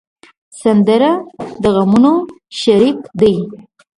سندره د غمونو شریک دی